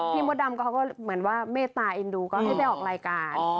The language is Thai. มดดำเขาก็เหมือนว่าเมตตาเอ็นดูก็ให้ไปออกรายการ